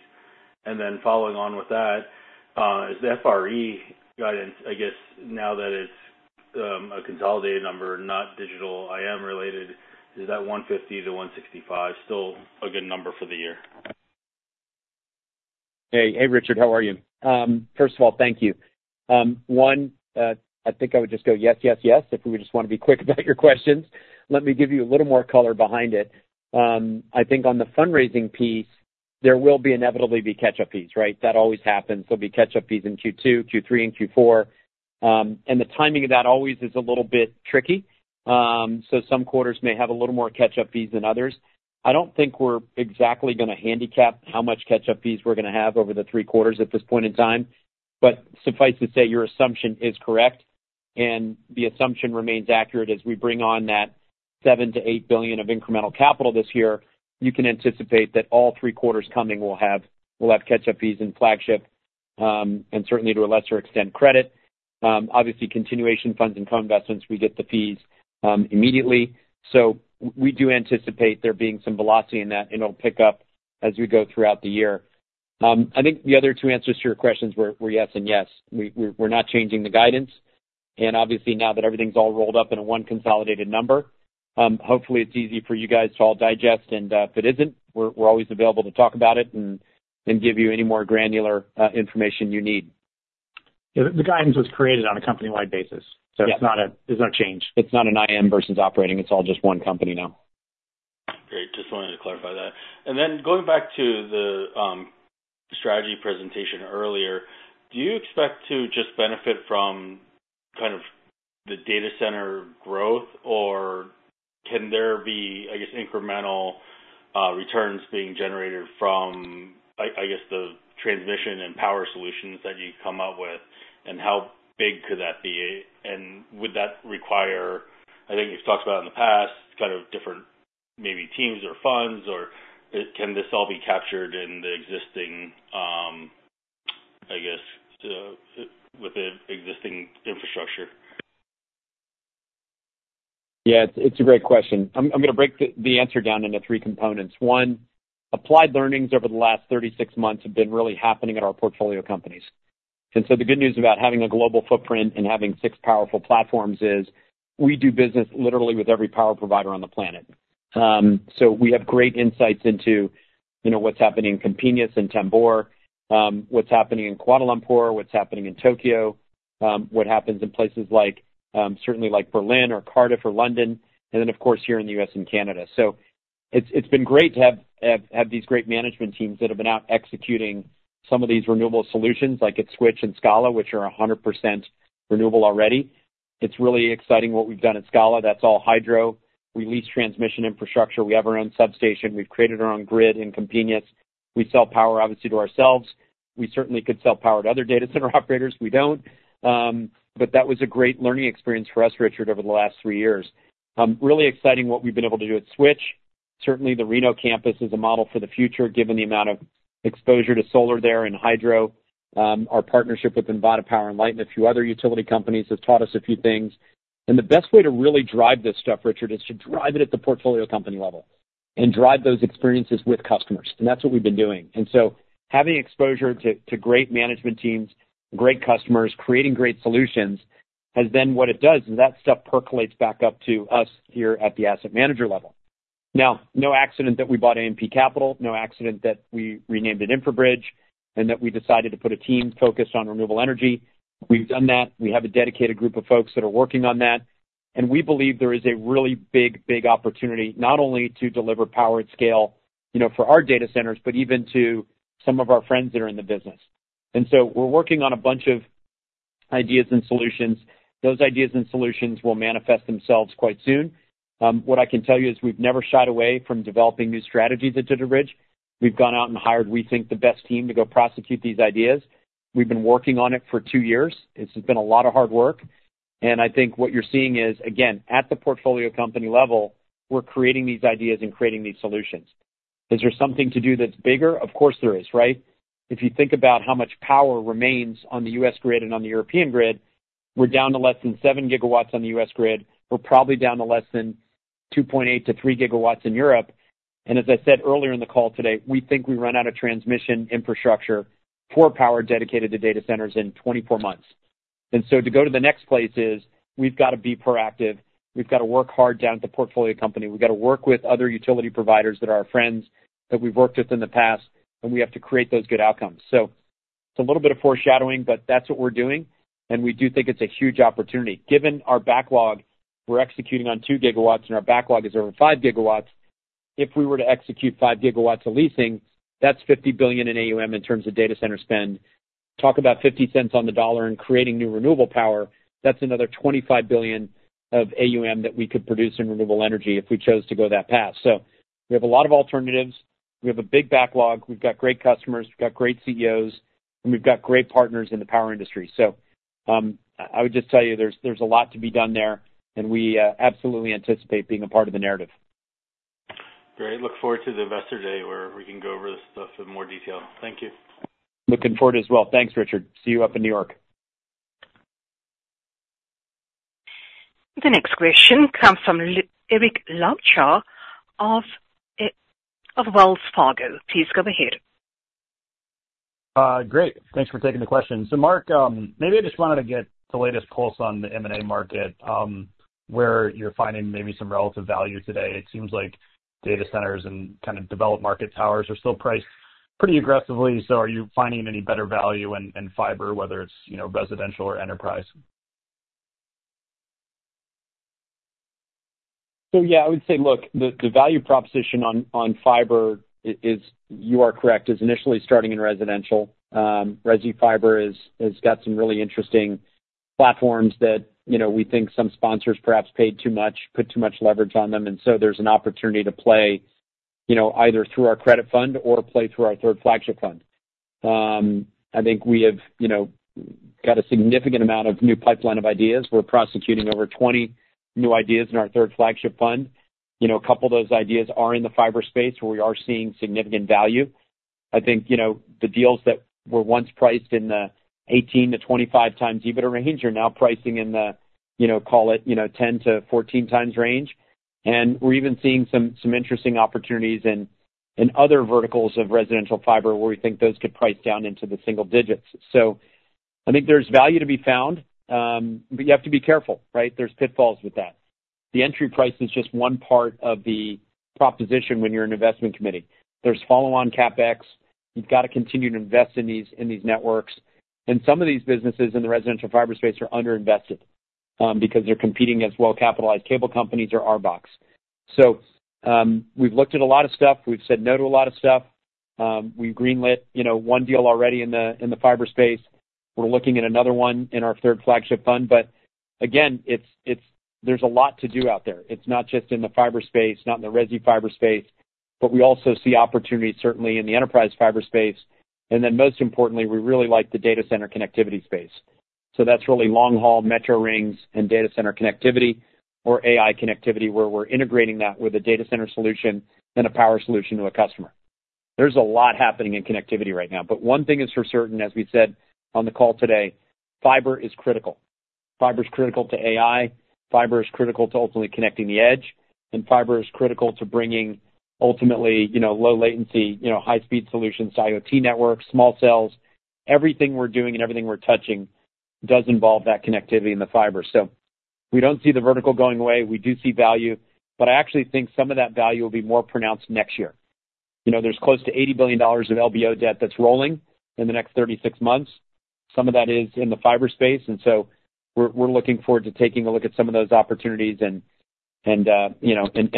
And then following on with that, is the FRE guidance, I guess, now that it's a consolidated number, not digital, IM related, is that $150-$165 still a good number for the year? Hey. Hey, Richard, how are you? First of all, thank you. One, I think I would just go yes, yes, yes, if we just wanna be quick about your questions. Let me give you a little more color behind it. I think on the fundraising piece, there will be inevitably be catch-up fees, right? That always happens. There'll be catch-up fees in Q2, Q3, and Q4. And the timing of that always is a little bit tricky. So some quarters may have a little more catch-up fees than others. I don't think we're exactly gonna handicap how much catch-up fees we're gonna have over the three quarters at this point in time. But suffice to say, your assumption is correct, and the assumption remains accurate as we bring on that $7 billion-$8 billion of incremental capital this year. You can anticipate that all three quarters coming will have catch-up fees in flagship, and certainly to a lesser extent, credit. Obviously, continuation funds and co-investments, we get the fees immediately. So we do anticipate there being some velocity in that, and it'll pick up as we go throughout the year. I think the other two answers to your questions were yes and yes. We're not changing the guidance, and obviously now that everything's all rolled up in a one consolidated number, hopefully it's easy for you guys to all digest, and if it isn't, we're always available to talk about it and give you any more granular information you need. Yeah, the guidance was created on a company-wide basis. Yeah. So it's not a. There's no change. It's not an IM versus operating. It's all just one company now. Great, just wanted to clarify that. And then going back to the strategy presentation earlier, do you expect to just benefit from kind of the data center growth, or can there be, I guess, incremental returns being generated from, I guess, the transmission and power solutions that you've come up with, and how big could that be? And would that require... I think you've talked about in the past, kind of different maybe teams or funds, or can this all be captured in the existing, I guess, with the existing infrastructure? Yeah, it's a great question. I'm gonna break the answer down into three components. One, applied learnings over the last 36 months have been really happening at our portfolio companies. So the good news about having a global footprint and having 6 powerful platforms is, we do business literally with every power provider on the planet. So we have great insights into, you know, what's happening in Campinas and Tamboré, what's happening in Kuala Lumpur, what's happening in Tokyo, what happens in places like, certainly like Berlin or Cardiff or London, and then, of course, here in the U.S. and Canada. So it's been great to have these great management teams that have been out executing some of these renewable solutions, like at Switch and Scala, which are 100% renewable already. It's really exciting what we've done at Scala. That's all hydro. We lease transmission infrastructure. We have our own substation. We've created our own grid in Campinas. We sell power, obviously, to ourselves. We certainly could sell power to other data center operators. We don't. But that was a great learning experience for us, Richard, over the last three years. Really exciting what we've been able to do at Switch. Certainly, the Reno campus is a model for the future, given the amount of exposure to solar there and hydro. Our partnership with NV Energy and a few other utility companies has taught us a few things. And the best way to really drive this stuff, Richard, is to drive it at the portfolio company level and drive those experiences with customers, and that's what we've been doing. Having exposure to great management teams, great customers, creating great solutions, has then what it does, is that stuff percolates back up to us here at the asset manager level. Now, no accident that we bought AMP Capital. No accident that we renamed it InfraBridge, and that we decided to put a team focused on renewable energy. We've done that. We have a dedicated group of folks that are working on that, and we believe there is a really big, big opportunity, not only to deliver power at scale, you know, for our data centers, but even to some of our friends that are in the business. We're working on a bunch of ideas and solutions. Those ideas and solutions will manifest themselves quite soon. What I can tell you is we've never shied away from developing new strategies at DigitalBridge. We've gone out and hired, we think, the best team to go prosecute these ideas. We've been working on it for two years. It's been a lot of hard work. And I think what you're seeing is, again, at the portfolio company level, we're creating these ideas and creating these solutions. Is there something to do that's bigger? Of course, there is, right? If you think about how much power remains on the U.S. grid and on the European grid, we're down to less than 7 GW on the U.S. grid. We're probably down to less than 2.8 GW-3 GW in Europe. And as I said earlier in the call today, we think we run out of transmission infrastructure for power dedicated to data centers in 24 months. So to go to the next place is we've got to be proactive. We've got to work hard down at the portfolio company. We've got to work with other utility providers that are our friends, that we've worked with in the past, and we have to create those good outcomes. So it's a little bit of foreshadowing, but that's what we're doing, and we do think it's a huge opportunity. Given our backlog, we're executing on 2 GW, and our backlog is over 5 GW. If we were to execute 5 GW of leasing, that's $50 billion in AUM in terms of data center spend. Talk about 50 cents on the dollar and creating new renewable power, that's another $25 billion of AUM that we could produce in renewable energy if we chose to go that path. So we have a lot of alternatives. We have a big backlog, we've got great customers, we've got great CEOs, and we've got great partners in the power industry. So, I would just tell you, there's a lot to be done there, and we absolutely anticipate being a part of the narrative. Great. Look forward to the investor day where we can go over this stuff in more detail. Thank you. Looking forward as well. Thanks, Richard. See you up in New York. The next question comes from Eric Luebchow of Wells Fargo. Please go ahead. Great. Thanks for taking the question. So, Marc, maybe I just wanted to get the latest pulse on the M&A market, where you're finding maybe some relative value today. It seems like data centers and kind of developed market towers are still priced pretty aggressively. So are you finding any better value in, in fiber, whether it's, you know, residential or enterprise? So yeah, I would say, look, the value proposition on fiber is – you are correct – is initially starting in residential. Resi fiber has got some really interesting platforms that, you know, we think some sponsors perhaps paid too much, put too much leverage on them, and so there's an opportunity to play, you know, either through our credit fund or play through our third flagship fund. I think we have, you know, got a significant amount of new pipeline of ideas. We're prosecuting over 20 new ideas in our third flagship fund. You know, a couple of those ideas are in the fiber space, where we are seeing significant value. I think, you know, the deals that were once priced in the 18x-25x EBITDA range are now pricing in the, you know, call it 10x-14x range. And we're even seeing some interesting opportunities in other verticals of residential fiber, where we think those could price down into the single digits. So I think there's value to be found, but you have to be careful, right? There's pitfalls with that. The entry price is just one part of the proposition when you're an investment committee. There's follow-on CapEx. You've got to continue to invest in these networks. And some of these businesses in the residential fiber space are underinvested, because they're competing against well-capitalized cable companies or RBOCs. So, we've looked at a lot of stuff. We've said no to a lot of stuff. We've greenlit, you know, one deal already in the fiber space. We're looking at another one in our third flagship fund. But again, it's. There's a lot to do out there. It's not just in the fiber space, not in the resi fiber space, but we also see opportunities certainly in the enterprise fiber space. And then most importantly, we really like the data center connectivity space. So that's really long-haul metro rings and data center connectivity or AI connectivity, where we're integrating that with a data center solution and a power solution to a customer. There's a lot happening in connectivity right now, but one thing is for certain, as we said on the call today, fiber is critical. Fiber is critical to AI, fiber is critical to ultimately connecting the edge, and fiber is critical to bringing ultimately, you know, low latency, you know, high-speed solutions to IoT networks, small cells. Everything we're doing and everything we're touching does involve that connectivity and the fiber. So we don't see the vertical going away. We do see value, but I actually think some of that value will be more pronounced next year. You know, there's close to $80 billion of LBO debt that's rolling in the next 36 months. Some of that is in the fiber space, and so we're looking forward to taking a look at some of those opportunities and, you know,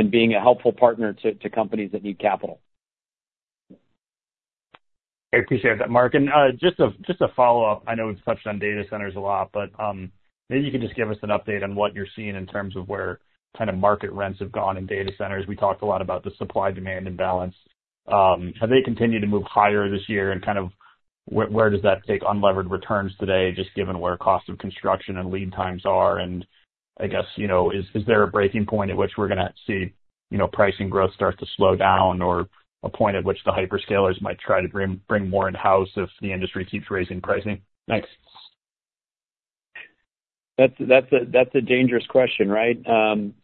being a helpful partner to companies that need capital. I appreciate that, Marc. And just a follow-up. I know we've touched on data centers a lot, but maybe you can just give us an update on what you're seeing in terms of where kind of market rents have gone in data centers. We talked a lot about the supply-demand imbalance. Have they continued to move higher this year? And kind of where does that take unlevered returns today, just given where cost of construction and lead times are and I guess, you know, is there a breaking point at which we're gonna see, you know, pricing growth start to slow down or a point at which the hyperscalers might try to bring more in-house if the industry keeps raising pricing? Thanks. That's a dangerous question, right?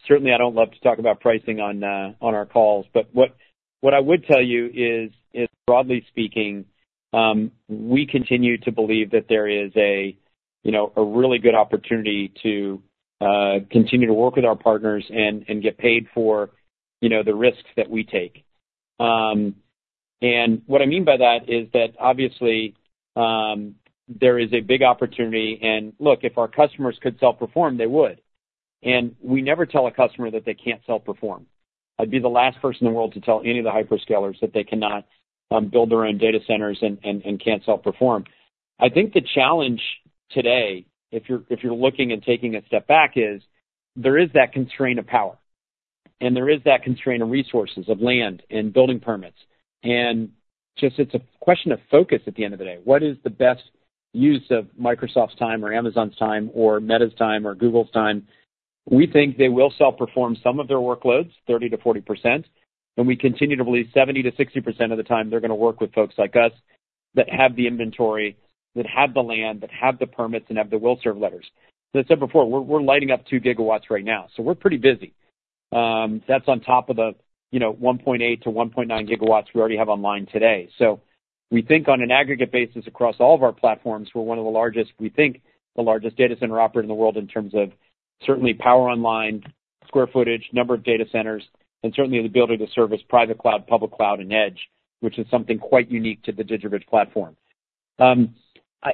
Certainly, I don't love to talk about pricing on our calls. But what I would tell you is, broadly speaking, we continue to believe that there is, you know, a really good opportunity to continue to work with our partners and get paid for, you know, the risks that we take. And what I mean by that is that obviously there is a big opportunity, and look, if our customers could self-perform, they would. And we never tell a customer that they can't self-perform. I'd be the last person in the world to tell any of the hyperscalers that they cannot build their own data centers and can't self-perform. I think the challenge today, if you're looking and taking a step back, is there is that constraint of power, and there is that constraint of resources, of land and building permits. And just it's a question of focus at the end of the day. What is the best use of Microsoft's time or Amazon's time or Meta's time or Google's time? We think they will self-perform some of their workloads, 30%-40%, and we continue to believe 70%-60% of the time they're gonna work with folks like us.... that have the inventory, that have the land, that have the permits, and have the Will Serve Letters. As I said before, we're lighting up 2 GW right now, so we're pretty busy. That's on top of the, you know, 1.8 GW-1.9 GW we already have online today. So we think on an aggregate basis, across all of our platforms, we're one of the largest, we think, the largest data center operator in the world in terms of certainly power online, square footage, number of data centers, and certainly the ability to service private cloud, public cloud, and edge, which is something quite unique to the DigitalBridge platform.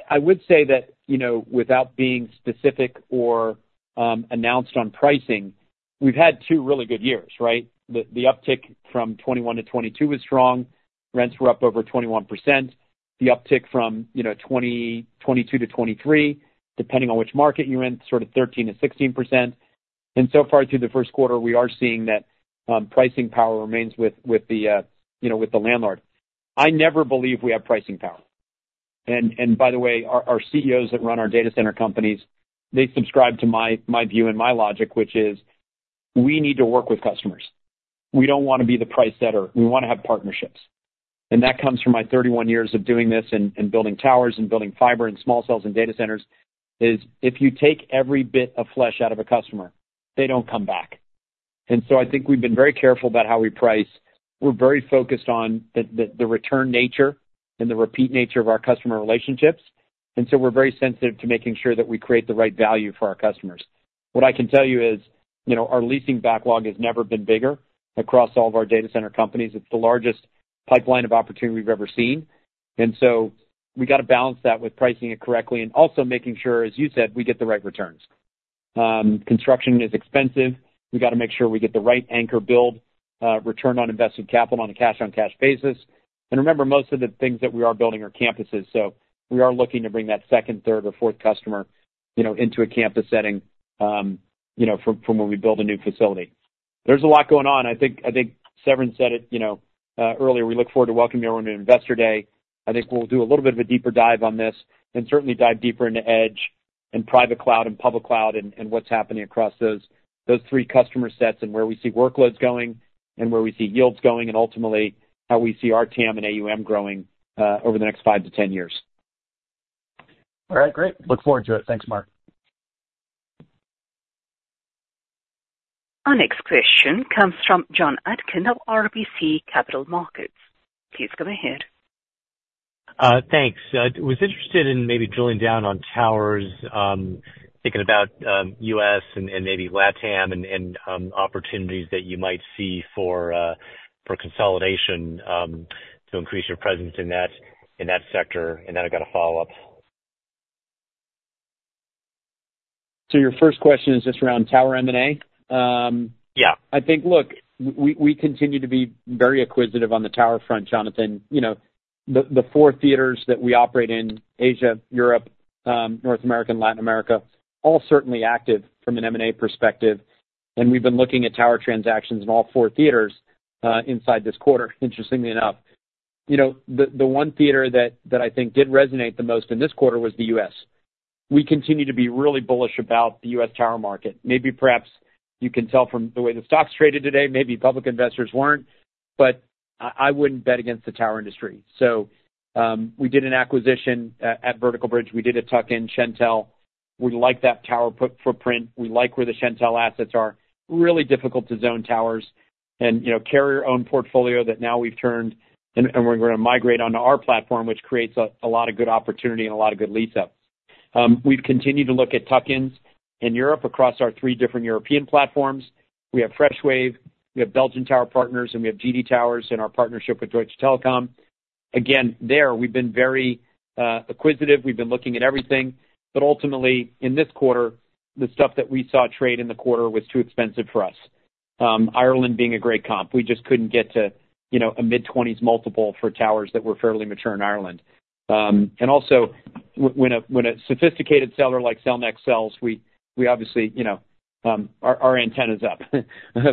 I would say that, you know, without being specific or announced on pricing, we've had two really good years, right? The uptick from 2021 to 2022 was strong. Rents were up over 21%. The uptick from, you know, 2022 to 2023, depending on which market you're in, sort of 13%-16%. So far, through the first quarter, we are seeing that, pricing power remains with, with the, you know, with the landlord. I never believe we have pricing power. And by the way, our CEOs that run our data center companies, they subscribe to my view and my logic, which is we need to work with customers. We don't wanna be the price setter. We wanna have partnerships. And that comes from my 31 years of doing this and building towers and building fiber and small cells and data centers, is if you take every bit of flesh out of a customer, they don't come back. And so I think we've been very careful about how we price. We're very focused on the return nature and the repeat nature of our customer relationships, and so we're very sensitive to making sure that we create the right value for our customers. What I can tell you is, you know, our leasing backlog has never been bigger across all of our data center companies. It's the largest pipeline of opportunity we've ever seen, and so we gotta balance that with pricing it correctly and also making sure, as you said, we get the right returns. Construction is expensive. We gotta make sure we get the right anchor build, return on invested capital on a cash-on-cash basis. And remember, most of the things that we are building are campuses, so we are looking to bring that second, third, or fourth customer, you know, into a campus setting, you know, from, from when we build a new facility. There's a lot going on. I think, I think Severin said it, you know, earlier, we look forward to welcoming you all on Investor Day. I think we'll do a little bit of a deeper dive on this and certainly dive deeper into edge and private cloud and public cloud and, and what's happening across those, those three customer sets, and where we see workloads going and where we see yields going, and ultimately, how we see our TAM and AUM growing, over the next five to 10 years. All right, great! Look forward to it. Thanks, Marc. Our next question comes from Jonathan Atkin of RBC Capital Markets. Please go ahead. Thanks. I was interested in maybe drilling down on towers, thinking about U.S. and maybe LATAM and opportunities that you might see for consolidation to increase your presence in that sector. And then I got a follow-up. Your first question is just around tower M&A? Um, yeah. I think, look, we continue to be very acquisitive on the tower front, Jonathan. You know, the four theaters that we operate in, Asia, Europe, North America, and Latin America, all certainly active from an M&A perspective. And we've been looking at tower transactions in all four theaters, inside this quarter, interestingly enough. You know, the one theater that I think did resonate the most in this quarter was the U.S. We continue to be really bullish about the US tower market. Maybe, perhaps you can tell from the way the stock's traded today, maybe public investors weren't, but I wouldn't bet against the tower industry. So, we did an acquisition at Vertical Bridge. We did a tuck-in, Shentel. We like that tower footprint. We like where the Shentel assets are. Really difficult to zone towers and, you know, carry our own portfolio that now we've turned and, and we're gonna migrate onto our platform, which creates a lot of good opportunity and a lot of good lease-ups. We've continued to look at tuck-ins in Europe across our three different European platforms. We have Freshwave, we have Belgium Tower Partners, and we have GD Towers in our partnership with Deutsche Telekom. Again, there, we've been very acquisitive. We've been looking at everything. But ultimately, in this quarter, the stuff that we saw trade in the quarter was too expensive for us. Ireland being a great comp. We just couldn't get to, you know, a mid-twenties multiple for towers that were fairly mature in Ireland. And also, when a sophisticated seller, like Cellnex sells, we obviously, you know, our antenna's up.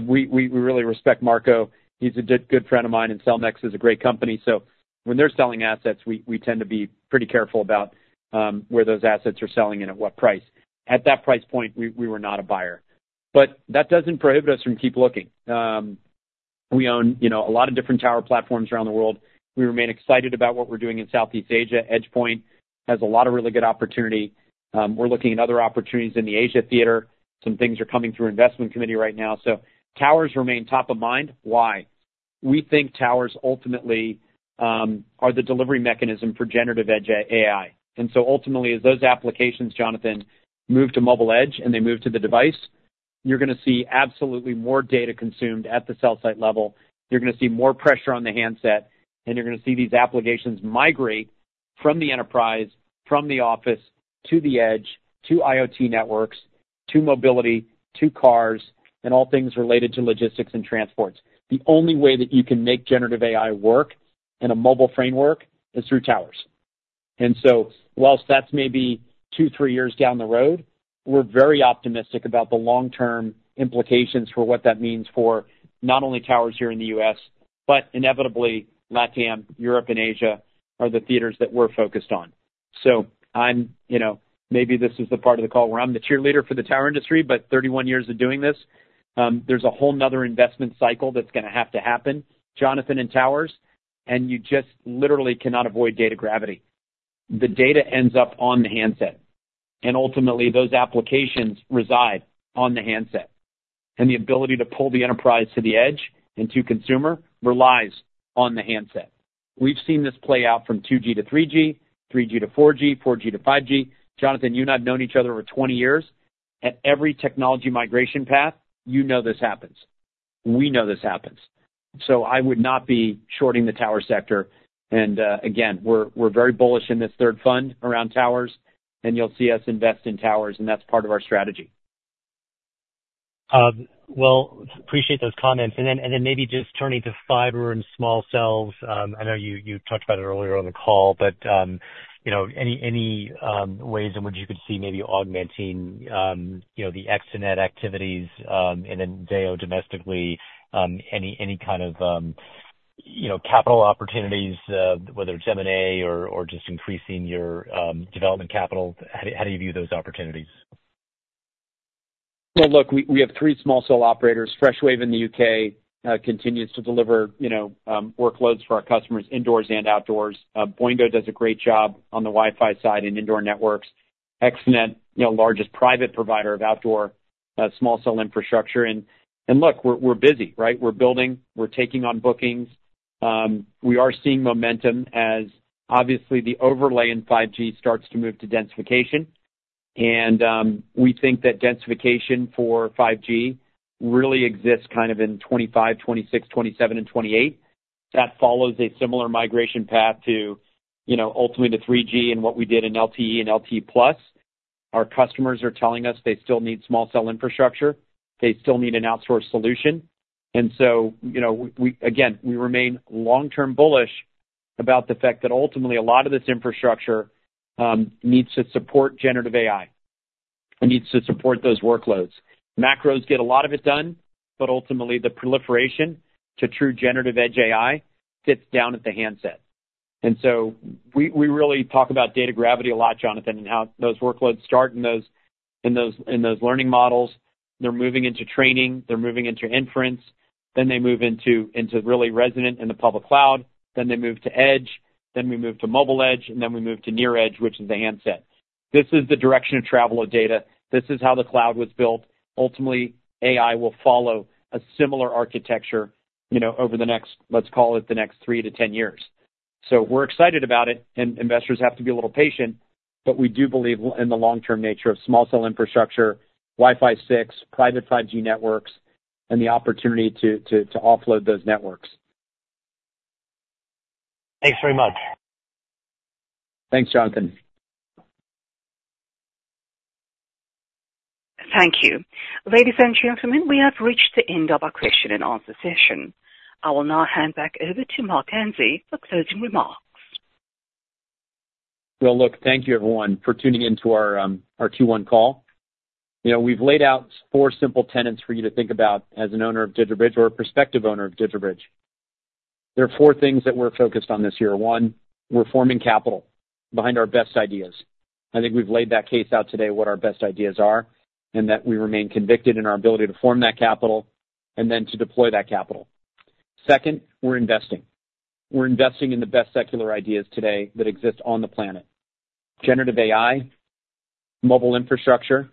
We really respect Marco. He's a good friend of mine, and Cellnex is a great company. So when they're selling assets, we tend to be pretty careful about where those assets are selling and at what price. At that price point, we were not a buyer, but that doesn't prohibit us from keep looking. We own, you know, a lot of different tower platforms around the world. We remain excited about what we're doing in Southeast Asia. EdgePoint has a lot of really good opportunity. We're looking at other opportunities in the Asia theater. Some things are coming through our investment committee right now. So towers remain top of mind. Why? We think towers ultimately are the delivery mechanism for generative edge AI. Ultimately, as those applications, Jonathan, move to mobile edge and they move to the device, you're gonna see absolutely more data consumed at the cell site level, you're gonna see more pressure on the handset, and you're gonna see these applications migrate from the enterprise, from the office, to the edge, to IoT networks, to mobility, to cars, and all things related to logistics and transports. The only way that you can make generative AI work in a mobile framework is through towers. While that's maybe two-three years down the road, we're very optimistic about the long-term implications for what that means for not only towers here in the U.S., but inevitably, LATAM, Europe and Asia are the theaters that we're focused on. So I'm, you know, maybe this is the part of the call where I'm the cheerleader for the tower industry, but 31 years of doing this, there's a whole another investment cycle that's gonna have to happen, Jonathan, in towers, and you just literally cannot avoid data gravity. The data ends up on the handset, and ultimately, those applications reside on the handset. And the ability to pull the enterprise to the edge and to consumer relies on the handset. We've seen this play out from 2G to 3G, 3G to 4G, 4G to 5G. Jonathan, you and I have known each other over 20 years. At every technology migration path, you know this happens. We know this happens. I would not be shorting the tower sector, and again, we're very bullish in this third fund around towers, and you'll see us invest in towers, and that's part of our strategy. Well, appreciate those comments. And then maybe just turning to fiber and small cells. I know you talked about it earlier on the call, but you know, any ways in which you could see maybe augmenting you know, the Extenet activities, and then Zayo domestically, any kind of you know, capital opportunities, whether it's M&A or just increasing your development capital? How do you view those opportunities? Well, look, we, we have three small cell operators. Freshwave in the U.K. continues to deliver, you know, workloads for our customers, indoors and outdoors. Boingo does a great job on the Wi-Fi side and indoor networks. Extenet, you know, largest private provider of outdoor small cell infrastructure. And, and look, we're, we're busy, right? We're building, we're taking on bookings. We are seeing momentum as obviously the overlay in 5G starts to move to densification. And, we think that densification for 5G really exists kind of in 2025, 2026, 2027 and 2028. That follows a similar migration path to, you know, ultimately to 3G and what we did in LTE and LTE Plus. Our customers are telling us they still need small cell infrastructure. They still need an outsourced solution. And so, you know, we again remain long-term bullish about the fact that ultimately a lot of this infrastructure needs to support generative AI. It needs to support those workloads. Macros get a lot of it done, but ultimately, the proliferation to true generative edge AI sits down at the handset. And so we, we really talk about data gravity a lot, Jonathan, and how those workloads start in those learning models. They're moving into training, they're moving into inference, then they move into really resonant in the public cloud, then they move to edge, then we move to mobile edge, and then we move to near edge, which is the handset. This is the direction of travel of data. This is how the cloud was built. Ultimately, AI will follow a similar architecture, you know, over the next, let's call it, 3-10 years. So we're excited about it, and investors have to be a little patient, but we do believe in the long-term nature of small cell infrastructure, Wi-Fi 6, private 5G networks, and the opportunity to offload those networks. Thanks very much. Thanks, Jonathan. Thank you. Ladies and gentlemen, we have reached the end of our question and answer session. I will now hand back over to Marc Ganzi for closing remarks. Well, look, thank you everyone for tuning in to our Q1 call. You know, we've laid out four simple tenets for you to think about as an owner of DigitalBridge or a prospective owner of DigitalBridge. There are four things that we're focused on this year. One, we're forming capital behind our best ideas. I think we've laid that case out today, what our best ideas are, and that we remain convicted in our ability to form that capital and then to deploy that capital. Second, we're investing. We're investing in the best secular ideas today that exist on the planet. Generative AI, mobile infrastructure,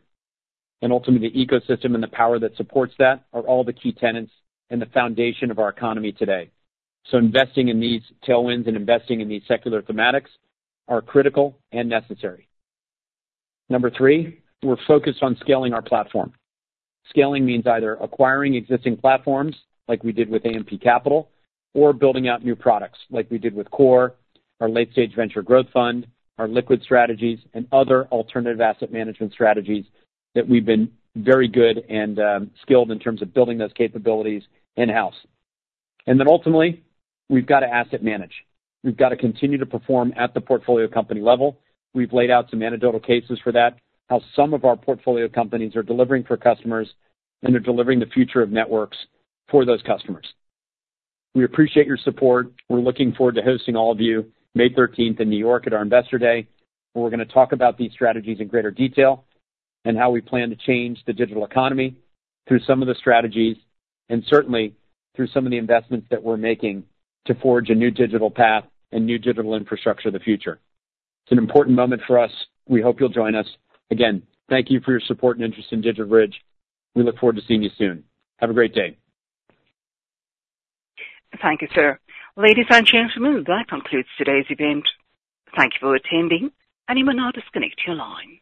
and ultimately, the ecosystem and the power that supports that, are all the key tenets and the foundation of our economy today. So investing in these tailwinds and investing in these secular thematics are critical and necessary. Number three, we're focused on scaling our platform. Scaling means either acquiring existing platforms, like we did with AMP Capital, or building out new products, like we did with Core, our late-stage venture growth fund, our liquid strategies, and other alternative asset management strategies that we've been very good and, skilled in terms of building those capabilities in-house. And then ultimately, we've got to asset manage. We've got to continue to perform at the portfolio company level. We've laid out some anecdotal cases for that, how some of our portfolio companies are delivering for customers, and they're delivering the future of networks for those customers. We appreciate your support. We're looking forward to hosting all of you May 13th in New York at our Investor Day, where we're gonna talk about these strategies in greater detail and how we plan to change the digital economy through some of the strategies, and certainly through some of the investments that we're making, to forge a new digital path and new digital infrastructure of the future. It's an important moment for us. We hope you'll join us. Again, thank you for your support and interest in DigitalBridge. We look forward to seeing you soon. Have a great day. Thank you, sir. Ladies and gentlemen, that concludes today's event. Thank you for attending, and you may now disconnect your line.